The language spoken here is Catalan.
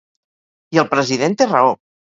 I el President té raó.